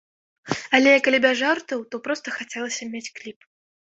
Але калі без жартаў, то проста хацелася мець кліп.